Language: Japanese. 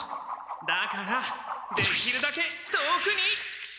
だからできるだけ遠くに！